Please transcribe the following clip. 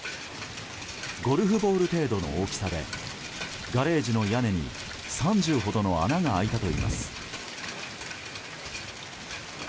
ゴルフボール程度の大きさでガレージの屋根に３０ほどの穴が開いたといいます。